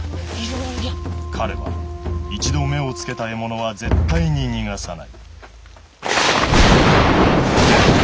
彼は一度目を付けた獲物は絶対に逃がさない